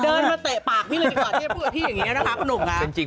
เดินไปเตะปากพี่หนึ่งก่อนที่เนี่ยพูดพี่อย่างนี้เนี่ยนะครับ